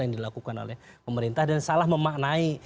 yang dilakukan oleh pemerintah dan salah memaknai